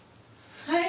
はい。